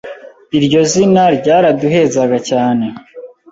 iryo zina ryaraduhezaga cyane.”